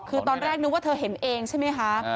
คือตอนแรกนึกว่าเธอเห็นเองใช่ไหมคะ